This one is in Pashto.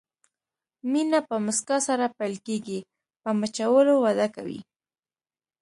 مینه په مسکا سره پیل کېږي، په مچولو وده کوي.